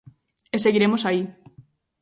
E seguiremos aí.